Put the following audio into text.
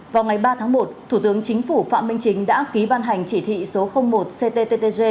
vào ngày ba tháng một thủ tướng chính phủ phạm minh chính đã ký ban hành chỉ thị số một cttg